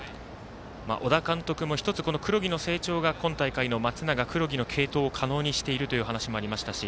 小田監督も１つ黒木の成長が今大会の松永、黒木の継投を可能にしているという話もありましたし